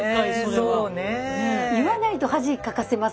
言わないと恥かかせますからね。